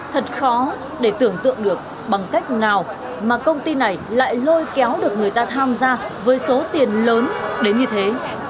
thật khó để tưởng tượng được bằng cách nào mà công ty này lại lôi kéo được người ta tham gia với số tiền lớn đến như thế